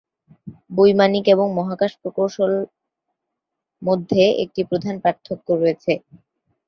বৈমানিক এবং মহাকাশ প্রকৌশল মধ্যে একটি প্রধান পার্থক্য আছে।